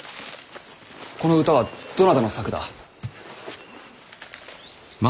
この歌はどなたの作だ。